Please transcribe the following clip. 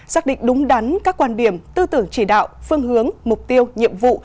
xác định đúng đắn các quan điểm tư tưởng chỉ đạo phương hướng mục tiêu nhiệm vụ